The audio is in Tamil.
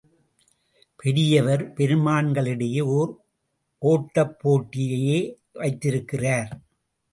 பெரியவர் பெருமான்களிடையே ஓர் ஓட்டப் போட்டியையே வைத்திருக்கிறார்.